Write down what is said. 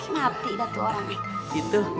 mati dah tuh orang